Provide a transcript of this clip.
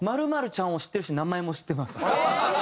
○○ちゃんを知ってるし名前も知ってます。